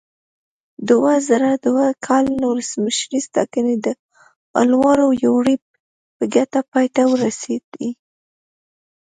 دوه زره دوه کال ولسمشریزې ټاکنې د الوارو یوریب په ګټه پای ته ورسېدې.